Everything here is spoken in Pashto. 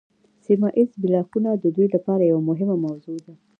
سیمه ایز بلاکونه د دوی لپاره یوه مهمه موضوع ده